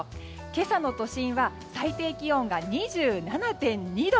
今朝の都心は最低気温が２７．２度。